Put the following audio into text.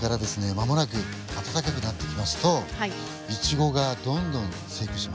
間もなく暖かくなってきますとイチゴがどんどん生育します。